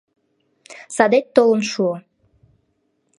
Садет толын шуо.